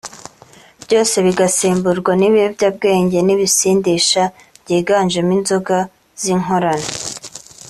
byose bigasemburwa n’ibiyobyabwenge n’ibisindisha byiganjemo inzoga z’inkorano